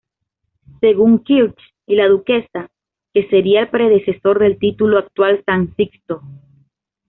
Según Kirsch y la duquesa, que sería el predecesor del título actual San Sixto.